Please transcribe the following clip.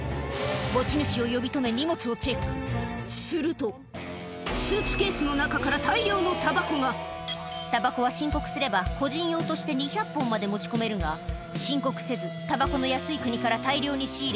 するとスーツケースの中からたばこは申告すれば個人用として２００本まで持ち込めるが申告せずたばこの安い国から大量に仕入れ